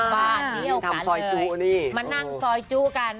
บ้าเที่ยวกันเลยมานั่งซอยจู้กัน